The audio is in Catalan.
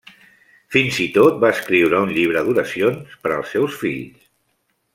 Fins i tot va escriure un llibre d'oracions per als seus fills.